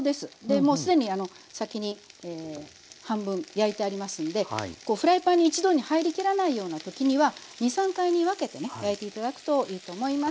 もうすでに先に半分焼いてありますんでこうフライパンに一度に入りきらないような時には２３回に分けてね焼いて頂くといいと思います。